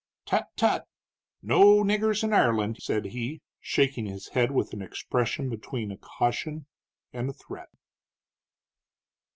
"Tut, tut! no niggers in Ireland," said he, shaking his head with an expression between a caution and a threat.